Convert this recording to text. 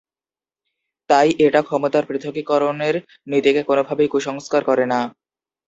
তাই, এটা ক্ষমতার পৃথকীকরণের নীতিকে কোনোভাবেই কুসংস্কার করে না।